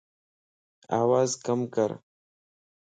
آواز ڪم ڪر